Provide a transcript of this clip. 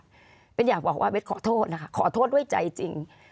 เป็นอยากบอกว่าเบสขอโทษนะคะขอโทษด้วยใจจริง